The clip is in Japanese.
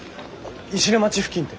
石音町付近って。